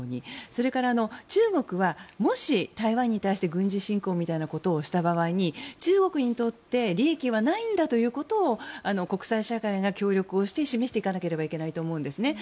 それから、中国はもし台湾に対して軍事侵攻みたいなことをした場合に中国にとって利益はないんだということを国際社会が協力して示していかなければならないと思うんですね。